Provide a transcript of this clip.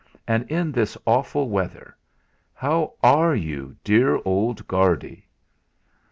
And in this awful weather! How are you, dear old Guardy?"